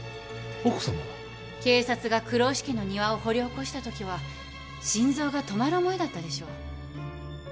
警察が黒丑家の庭を掘り起こしたときは心臓が止まる思いだったでしょう。